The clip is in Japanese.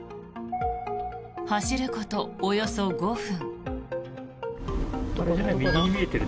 走ることおよそ５分。